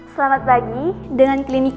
selamat pagi dengan klinik